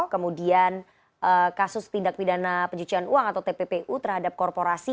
kemudian kasus tindak pidana pencucian uang atau tppu terhadap korporasi